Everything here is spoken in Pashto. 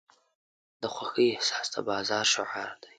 د خوښۍ احساس د بازار شعار دی.